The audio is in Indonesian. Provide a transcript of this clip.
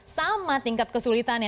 sama tingkat kesulitannya